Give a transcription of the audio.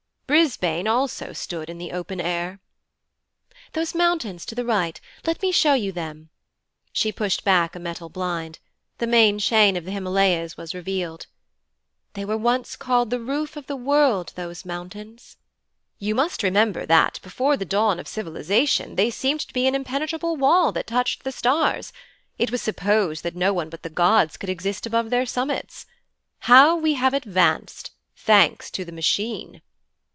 'Brisbane also stood in the open air.' 'Those mountains to the right let me show you them.' She pushed back a metal blind. The main chain of the Himalayas was revealed. 'They were once called the Roof of the World, those mountains.' 'You must remember that, before the dawn of civilization, they seemed to be an impenetrable wall that touched the stars. It was supposed that no one but the gods could exist above their summits. How we have advanced, thanks to the Machine!'